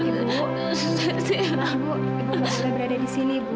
ibu belum boleh berada di sini ibu